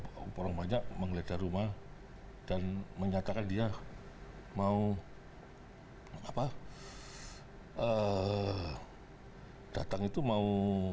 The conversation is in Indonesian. bahwa orang banyak menggeledah rumah dan menyatakan dia mau datang itu mau